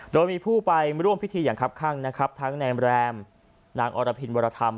โดยมีผู้ไปร่วมพิธีอย่างครับข้างนะครับทั้งในแรมนางอรพินวรธรรม